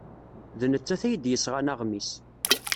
D nettat ay d-yesɣan aɣmis.